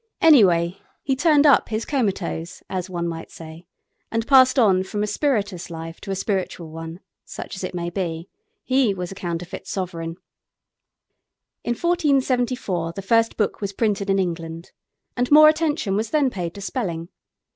Anyway, he turned up his comatose, as one might say, and passed on from a spirituous life to a spiritual one, such as it may be. He was a counterfeit sovereign. In 1474 the first book was printed in England, and more attention was then paid to spelling.